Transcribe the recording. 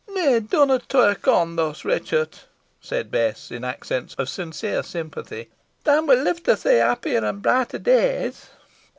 "Neigh, dunna talk on thus, Ruchot," said Bess, in accents of sincere sympathy. "Theaw win live to see happier an brighter days."